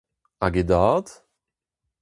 Hag e dad ?